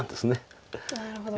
なるほど。